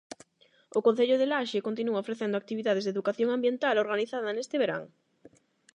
O Concello de Laxe continúa ofrecendo actividades de educación ambiental organizada neste verán.